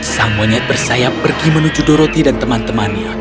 sang onyet bersayap pergi menuju dorothy dan teman temannya